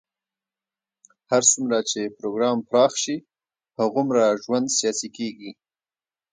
هر څومره چې پروګرام پراخ شي، هغومره ژوند سیاسي کېږي.